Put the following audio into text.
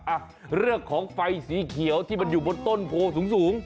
อ่ะเรื่องของไฟสีเขียวที่มันอยู่บนต้นโพสูงสูง